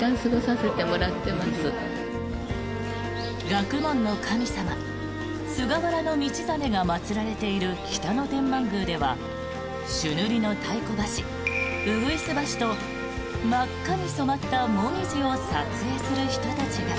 学問の神様・菅原道真が祭られている北野天満宮では朱塗りの太鼓橋、鶯橋と真っ赤に染まったモミジを撮影する人たちが。